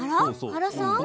原さん